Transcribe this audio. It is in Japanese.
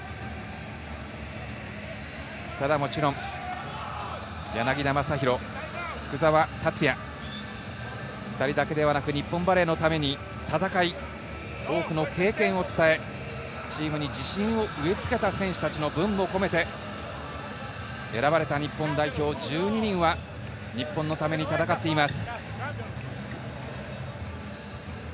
もちろん柳田将洋、福澤達哉、２人だけではなく、日本バレーのために戦い、多くの経験を伝え、チームに自信を生みつけた選手たちの分も込めて、選ばれた日本代表１２人は日本のために戦っています。